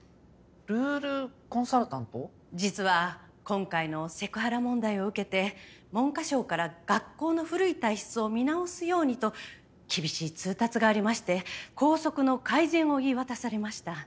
実は今回のセクハラ問題を受けて文科省から学校の古い体質を見直すようにと厳しい通達がありまして校則の改善を言い渡されました。